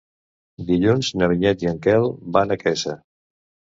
Dilluns na Vinyet i en Quel van a Quesa.